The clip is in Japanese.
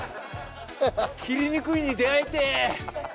切りにくいに出会いてえ！